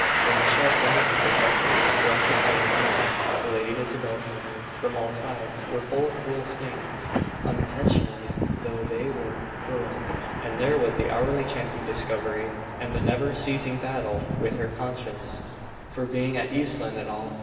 Then, the sharp lances perpetually thrust upon her memory the Lady Isabel's memory from all sides, were full of cruel stings, unintentionally though they were hurled. And there was the hourly chance of discovery, and the never ceasing battle with her conscience, for being at East Lynne at all.